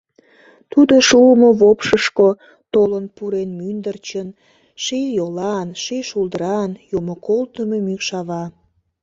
Тудо шуымо вопшышко Толын пурен мӱндырчын Ший йолан, ший шулдыран Юмо колтымо мӱкшава.